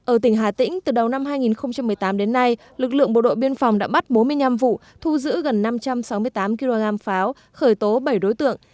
ở tỉnh hà tĩnh từ đầu năm hai nghìn một mươi tám đến nay lực lượng bộ đội biên phòng đã bắt bốn mươi năm vụ thu giữ gần năm trăm sáu mươi tám kg pháo khởi tố bảy đối tượng